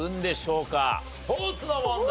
スポーツの問題。